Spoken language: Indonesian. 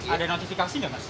ada notifikasi nggak mas